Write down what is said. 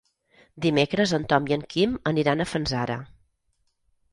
Dimecres en Tom i en Quim aniran a Fanzara.